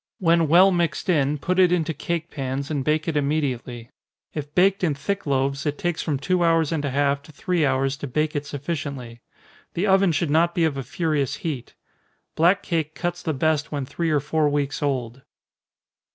When well mixed in, put it into cake pans, and bake it immediately. If baked in thick loaves, it takes from two hours and a half to three hours to bake it sufficiently. The oven should not be of a furious heat. Black cake cuts the best when three or four weeks old.